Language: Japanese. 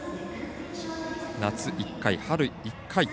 夏１回、春１回。